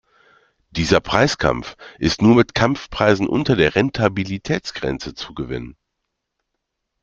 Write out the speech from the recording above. Dieser Preiskampf ist nur mit Kampfpreisen unter der Rentabilitätsgrenze zu gewinnen.